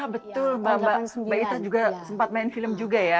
betul mbak ita juga sempat main film juga ya